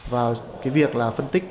và cái việc là phân tích